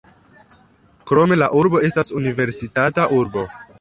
Krome la urbo estas universitata urbo.